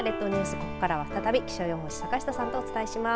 ここからは再び気象予報士の坂下さんとお伝えします。